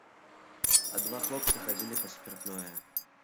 А два хлопцы хадзілі па спіртное.